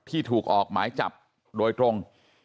ที่ถูกออกหมายจับโดยตรง